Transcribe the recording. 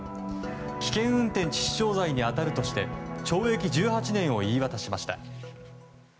危険運転致死傷罪に当たるとして懲役１８年を言い渡しました。